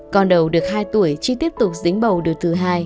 con đầu được hai tuổi chi tiếp tục dính bầu được thứ hai